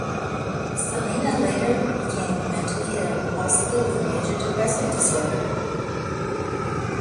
Celina later became mentally ill, possibly with a major depressive disorder.